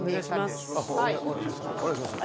あっお願いします